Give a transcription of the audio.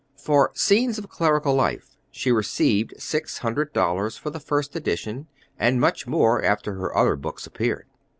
For Scenes of Clerical Life she received six hundred dollars for the first edition, and much more after her other books appeared.